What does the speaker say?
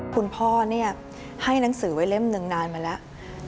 คุณพ่อให้หนังสือไว้เล่มหนึ่งนานมาแล้ว